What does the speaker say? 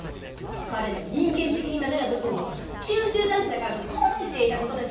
彼の人間的にダメな部分を「九州男児だから」と放置していた事です。